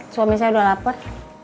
suami saya udah lapar